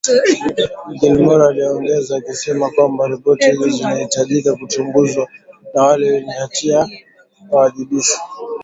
Gilmore aliongeza akisema kwamba ripoti hizo zinahitaji kuchunguzwa na wale wenye hatia wawajibishwe